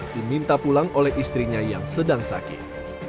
diminta pulang oleh istrinya yang sedang sakit